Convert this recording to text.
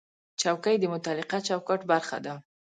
چوکۍ د متعلقه چوکاټ برخه ده.